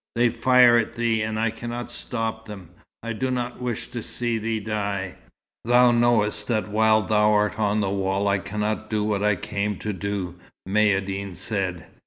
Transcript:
They fire at thee and I cannot stop them. I do not wish to see thee die." "Thou knowest that while thou art on the wall I cannot do what I came to do," Maïeddine said.